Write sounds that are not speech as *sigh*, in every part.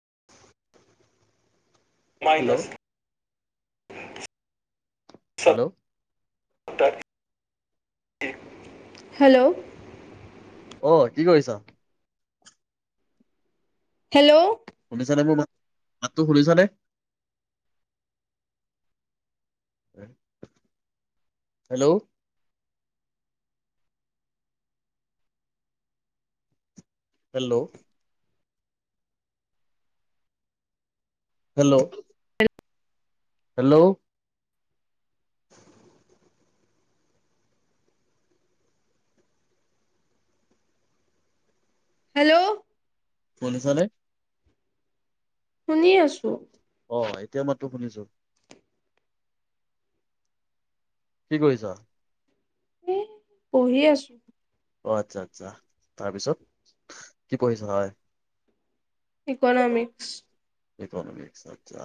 *unintelligible* Hello মাইনছ hello তাত hello অ কি কৰিছা হেল্ল' শুনিছানে মোৰ মাতটো শুনিছানে hello hello hello hello. Hello. শুনিছানে। শুনি আছো। অ এতিয়া মাততো শুনিছো। কি কৰিছা। এ পঢ়ি আছো। অ আচ্ছা আচ্ছা তাৰপিছত কি পঢ়িছা হয়। ইকনমিক্স। ইকনমিক্স আচ্ছা।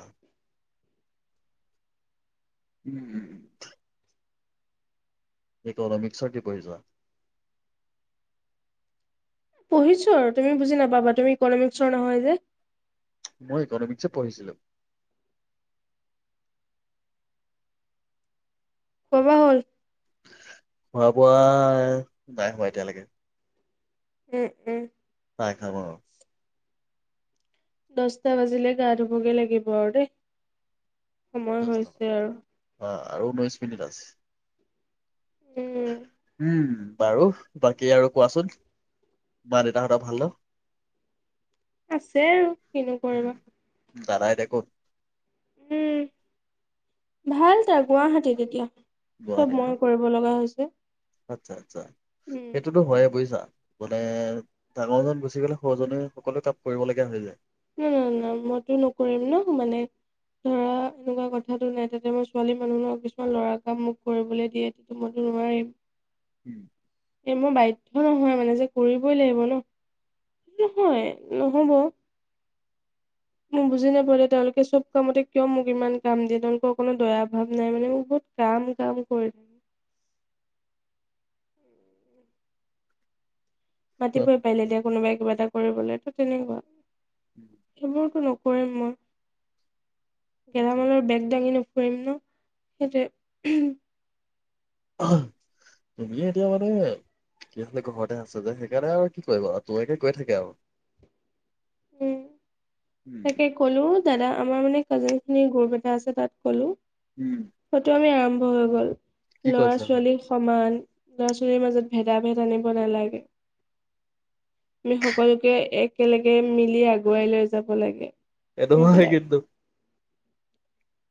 উম। এই ইকনমিক্সৰ কি পঢ়িছা। পঢ়িছো আৰু তুমি বোজি নাপাবা তুমি ইকনমিক্সৰ নহয় যে। মই ইকনমিক্স এ পঢ়িছিলো। খোৱা বোৱা হ'ল *unintelligible* খোৱা বোৱা নাই হোৱা এতিয়ালৈকে। উম উম। চাই খাব। দচটা বাজিলে গা ধুবগৈ লাগিব আৰু দেই। সময় হৈছে আৰু। অ আৰু ঊনৈশ মিনিট আছে। উম উম বাৰু বাকী আৰু কোৱাচোন মা দেউতাহঁতৰ ভাল ন। আছে আৰু কিনো কৰিবা। দাদাই এতিয়া কত। উম ভাল তাৰ গুৱাহাটীত এতিয়া, চব গুৱাহাটীত ন মই কৰিব লগা হৈছে। কি। আচ্ছা আচ্ছা। সেইটোতো হয়ে বুজিছা। মানে ডাঙৰ জন গুচি গলে সৰুজনে সকলো কাম কৰিব লগগীয়া হৈ যায়। উম না মইতো নকৰিম ন মানে ধৰা এনেকুৱা কথাতটো নাই তাতে মই ছোৱালী মানুহ কিছুমান লৰা কাম মোক কৰিবলৈ দিয়ে তেন্তেটো মইতো নোৱাৰিম *unintelligible* উম এ মই বাধ্য নহয় মানে, যে কৰিবই লাগিব নহ নহয় নহব। মোক বুজি নাপালো তেওঁলোকে চব কামতে কিয় মোক ইমান কাম দিয়ে তেওঁলোকৰ একো দয়া ভাৱ নাই মানে মোক বহুত কাম কাম কৰিলে। মাতিব পাৰিলে এতিয়া কোনোবাই। কিবাটা কৰিবলে কি কি লাগিব। সবোৰ কি *unintelligible* কৰিম মই। সেইটোৱে। গেলামালৰ বেগ দাঙি নুফুৰিম ন। সেইটোৱে। তুমি এতিয়া মানে কি আছিলে ঘৰতে আছা যে সেইকাৰণে আৰু কি কৰিবা তোমাকে কৈ থাকে আৰু। উম। উম তাকে ক'লো দাদা আমাৰ মানে কলেজীয়া গ্ৰুপ এটা আছে তাত মানে সেই টো আমি আম্ভ হৈ গ'ল কি লৰা কৈছা হয় ছোৱালীৰ সমান ল'ৰা ছোৱালীৰ মাজত ভেদা ভেদ আনিব নালাগে আমি সকলোকে একেলগে মিলি আগুৱাই লৈ যাম যাব লাগে এটো মাহে কিন্তু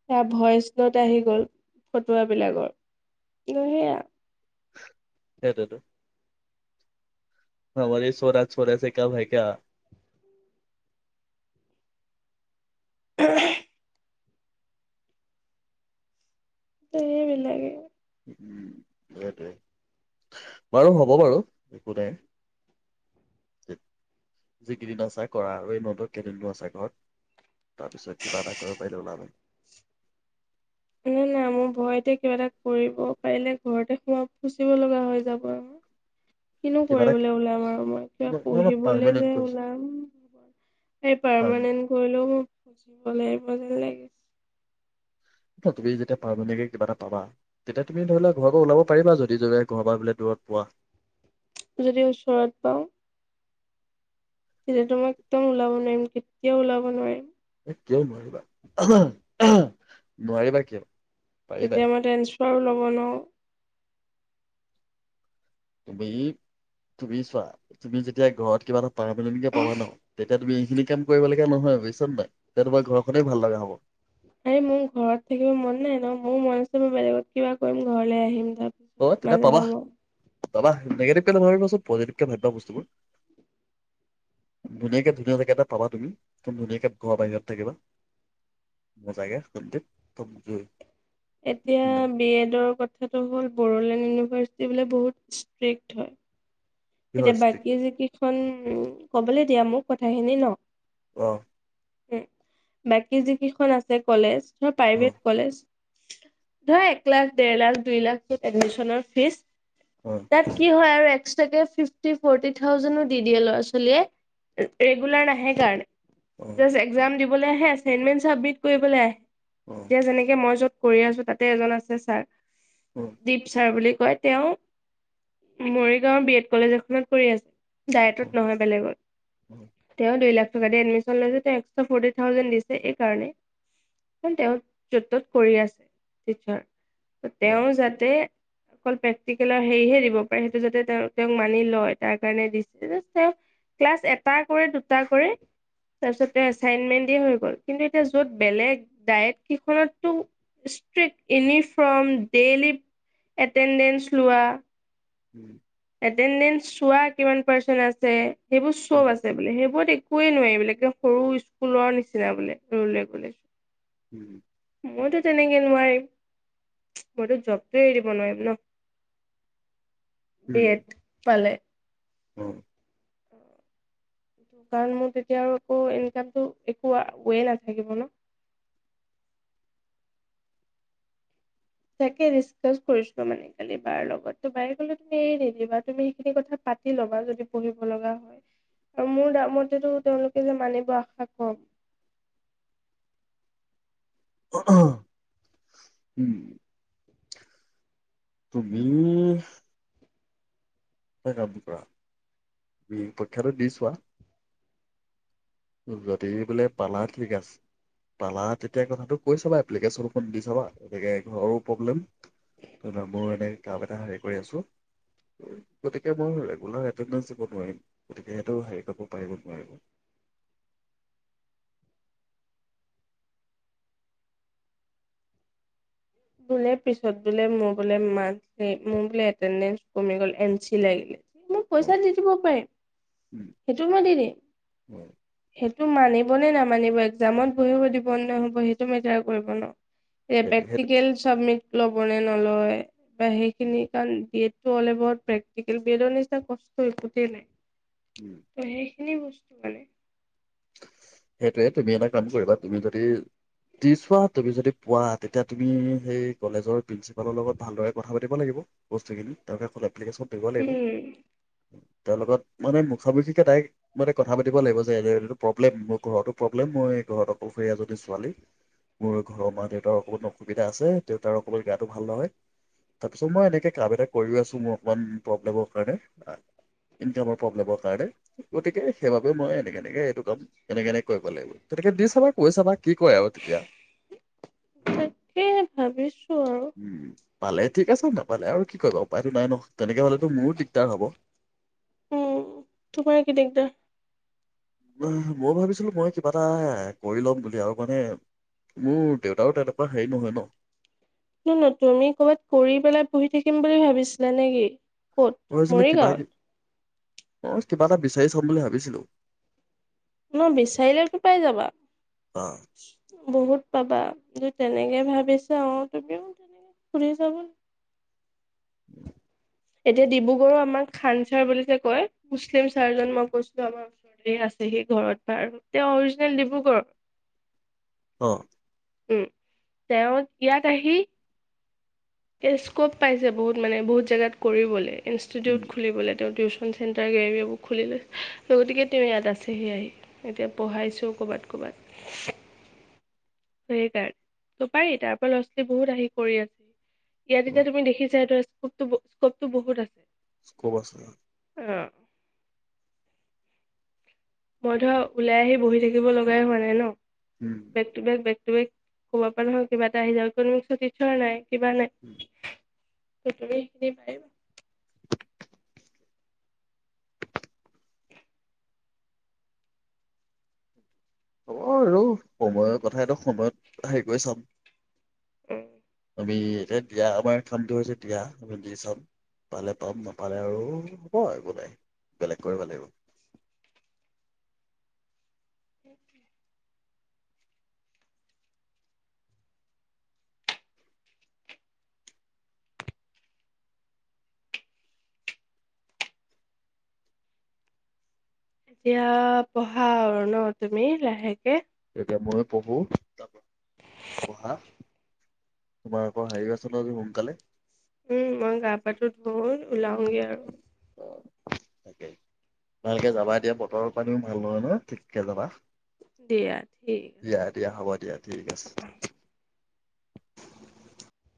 সেয়া ভইচট আহি গল ফটুৱ বিলাকৰ মানে সেইটোৱেটো হমাৰে ছৌৰাজ ছৰাছে কম হে কিয়া *unintelligible* উ *unintelligible* ত এই বিলাকে উম সেইটোৱে বাৰু হ'ব বাৰু একো নাই যিকেইদিন আছা কৰা আৰু এই মাতোত কেইদিনো আছা ঘৰত তাৰপিছত কিবা এটা কৰিব পাৰিলে ওলাব নাই নাই মোৰ ঘৰতে কিবা এটা কৰিব পাৰিলে ঘৰতে সোমাই ফুচিব লগা হৈ যাব কিনো কিবা এটা কৰিবলৈ ওলাম আৰু মই ন কিবা ন পঢ়িবলৈ পাৰমানেণ্ট যে কৈছো ওলাম এই পাৰ পাৰমানেন্ট কৰিলেও বুজিবলে মাজে লাগিছে তুমি যেতিয়া পাৰমানেন্ট কে কিবা এটা পাবা তেতিয়া তুমি ধৰি লোৱা ঘৰৰ পৰা ওলাব পাৰিবা যদি যদি ঘৰ পৰা বোলে দূৰত পোৱা যদি ওচৰত পাওঁ তেতিয়াতো মই একদম ওলাব নোৱাৰিম কেতিয়াও ওলাব নোৱাৰিম কিয় নোৱাৰিবা নোৱাৰিবা কিয় পাৰিবাই তেতিয়ালে বাৰুলব নোৱাৰিম তুমি তুমি চোৱা তুমি যেতিয়া ঘৰত কিবা এটা পাৰমানেন্ট কে কিবা পাবা ন এতিয়া তুমি এইখিনি কাম কৰিবলগীয়া নহয় বুজিনাই এতিয়া তোমাৰ ঘৰখনেই ভাল লগা হ'ব এই মোৰ ঘৰত থাকিব মন নাই ন মোৰ মন আছে মই বেলেগত কিবা কৰিম ঘৰলে আহিলো অ তেতিয়া পাবা পাবা নিগেটিভ কে নাভাবিবাচোন পজিটিভ কে ভাবিবা বস্তুবোৰ ধুনীয়াকে ধুনীয়া জেগা এটা পাবা তুমি একদম ধুনীয়াকে ঘৰ বাহিৰত থাকিবা জগে শ এতিয়া বি এডৰ কথাটো হ'ল বড়োলেণ্ড ইউনিভাৰ্চিটি বোলে বহুত ষ্ট্ৰিক্ট হয় কিহৰ ষ্ট্ৰীট তেতিয়াবাকি যে কি কবলৈ দিয়া মোক কথাখিনি ন অহ উম বাকী যি কেইখন আছে কলেজ অ প্ৰাইভেট কলেজঢ় ধৰা এক লাখ দেৰ লাখ দুই লাখত এডমিচনৰ ফিজ অ তাত কি হয় আৰু ইষ্ট গেফ্ ফিফটি ফৰ্টি থাউজেনো দি দিয়ে ল'ৰা ছোৱালীয়ে ৰেগুলাৰ নাহে কাৰণে অ তাপাছ ইজাদিব মেইণ চাবমিট কৰিবলৈ আহে অ এতিয়া যেনেকে মই যত‌ কৰি আছো তাতে এজন আছে ছাৰ তুমি দ্বীপচাৰ বুলি কয় তেওঁ মৰিগাঁওৰ বি এট কলেজ এখনত কৰি আছে ডায়তত নহয় বেলেগত তেওঁ দুই লাখ এডমিচন লৈছে তেওঁ একস্ত্ৰা ফৰ্টি থাউজেণ্ড দিছে এই কাৰণে কাৰ তেওঁ য'ত ত'ত কৰি আছে টিচাৰ তেওঁ যাতে অকল প্ৰেক্টিকেলৰ হেৰিহে দিব পাৰে সেইটো যাতে তেওঁ মানি লয় উম এটেনদেঞ্চ চোৱা কিমান পৰ্চেন আছে সেইবোৰ চব আছে বোলে সেইবোৰটেই কোৱেই নোৱাৰি বোলে সৰু স্কুলৰ নিচিনা বোলে ৰুল ৰেগুলেচন মইতো তেনেকে নোৱাৰিম মইতো জবটো এৰিব নোৱাৰিম ন বি এত পালে উম কাৰণ মোৰ তেতিয়া আৰু আকৌ ইনকামটো একো ৱে নাথাকিব ন তাকে ডিচকাচ কৰিছো মানে খালি বাৰ লগত ত বায়ে কলে তুমি এ নিদিবা তুমি সেইখিনি কথা পাতি লবা যদি পঢ়িব লগা হয় আৰু মোৰ দাম মতেটো তেওঁলোকে যে মানিব আশা কম আহ উম তুমি কাম কৰা পৰীক্ষাটো দি চোৱা যদি বোলে পালা ঠিক আছে পালা তেতিয়া কথাটো কৈ চাবা এপ্লিকেশ্যনখন দি চাবা এনেকে ঘৰো প্ৰব্লেম মোৰ এনে কাম এটা হেৰি কৰি আছো গতিকে মই ৰেগুলাৰ এটেডেঞ্চ দিব নোৱাৰিম গতিকে সহ হে কাপোৰ পাৰিব নোৱাৰিব বলে পিছত বোল মোৰ বোলে মাৰ্কচ এটেন্দেন্স কমি গল এনচি লাগি গল মোক অ পইচা দি দিব পাৰে উম, সেইটো মই দি দেই অ, সেইটো মানে মনে নামানিব এক্জামত বহিব দিব নাই সেইটো মেটাৰ কৰিব ন এ সেইটো সেইটো প্ৰেক্টিকেল চাবমিট ল'ব নে নলয় বা সেই উম, খিনি কাৰণ দিয় এল এবাউট প্ৰোক্টিকেল পেজাৰ নিচিনা কষ্ট একোতে নাই উম। ত সেইখিনি বস্তু মানে সেইটোয়ে তুমি এটা কাম কৰিবা তুমি যদি দি চোৱা তুমি যদি পোৱা তেতিয়া তুমি সেই কলেজৰ প্ৰিন্সিপালৰ লগত ভালদৰে কথা পাতিব লাগিব বস্তু খিনি তেওঁকে কলে এপ্লিকেশ্যনটো দিব লাগিব উম তেওঁ লগত মানে মুখামুখিকে ডাইৰেক্ট মানে কথা পাতিব লাগিব যে সেইটো প্ৰব্লেম মোক ঘৰতো প্ৰব্লেম মই ঘৰত অকল সেই এজনী ছোৱালী মোৰ ঘৰৰ মা দেউতাৰ অকণমান অসুবিধা আছে দেউতাৰ অকণমান গাটো ভাল নহয় তাৰপিছত মই এনেকৈ কাম এটা কৰি আছোঁ মোৰ অকণমান প্ৰব্লেমৰ কাৰণে ইনকামৰ প্ৰব্লেমৰ কাৰণে গতিকে সেইবাবে মই এনেকে এনেকে এইটো কাম এনেকে এনেকে কৰিব লাগিব তেনেকে দি চাবা কৈ চাবা কি কয় আৰু তেতিয়া তাকে ভাবিছো আৰু উম পালে ঠিক আছে নাপালে আৰু কি কৰিবা উপায়তো নাই নহয় তেনেকে হলেতো মোৰো দিগদাৰ হব উম তোমাৰ কি দিগদাৰ মই ভাবিছিলোঁ মই কিবা এটা কৰি ল'ম বুলি আৰু মানে মোৰ দেউতাৰো তেনেকুৱা হেৰি নহয় ন ত ন তুমি কৰ'বাত কৰি পেলাই পঢ়ি থাকিম বুলি ভাবিছিলা নেকি ক'ত মৰিগাঁৱত অ কিবা এটা বিচাৰি চাম বুলি ভাবিছিলো ন বিচাৰিলে কি পাই যাবা অ বহুত পাবা তেনেকে ভাবিছা অ তুমিও তেনেকে ফুৰিছা বুলি উম এতিয়া ডিব্ৰুগড়ো আমাক খান ছাৰ বুলি যে কয় মুছলিম ছাৰজন মই কৈছিলো আমাৰ ওচৰতে আছেহি ঘৰত বা আৰু এ অৰিজিনেল ডিব্ৰুগড় অ উম তেওঁ ইয়াত আহি স্কপ পাইছে বহুত মানে বহুত জেগাত কৰিবলৈ উম ইনষ্টিটিউট খুলিবলৈ তেওঁ উ ন চেণ্টাৰ গেলেৰিবোৰ খুলিলো গতিকে তেওঁ ইয়াত আছেহি আহি এতিয়া পঢ়াইছোঁ ক'বাত ক'বাত সেই তাত ত পাৰি তাৰ পৰা ল'ৰা ছোৱালী বহুত আহি কৰি আছেহি অ ইয়াত এতিয়া তুমি দেখিছা এইটো স্কোপ স্কোপ টো বহুত আছে স্কোপ আছে অ মই ধৰা ওলাই আহি বহি থাকিব লগাই হোৱা নাই ন উম বেক টু বেক বেক ত ক'ব পাৰা নহয় কিবা এটা আহি যাব কোনোছোৱা নাই কিবা নাই উম। ত তখিনি পাই *inaudible* হ'ব আৰু সময়ৰ কথাটো সময়ত হেৰি কৰি চাম উম আমি এতিয়া দিয়া আমাৰ কামটো হৈছে দিয়া আমি দি চাম পালে পাম নাপালে আৰু হ'ব একো নাই বেলেগ কৰিব লাগিব এেইকে *inaudible* এতিয়া পঢ়া আৰু ন তুমি লাহেকে এতিয়া মই পঢ়ো পঢ়া তোমাৰ আকৌ হেৰি আছিলে ন সোনকালে ওলালগে আৰু তাকেই ভালকে যাবা এতিয়া বতৰৰ পানীও ভাল নহয় ন ঠিক কে যাবা ঠিক আছে। দিয়া দিয়া হ'ব দিয়া ঠিক আছে